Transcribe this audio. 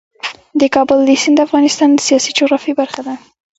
د کابل سیند د افغانستان د سیاسي جغرافیه برخه ده.